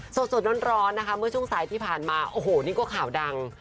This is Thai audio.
สดร้อนนะคะเมื่อช่วงสายที่ผ่านมาโอ้โหนี่ก็ข่าวดัง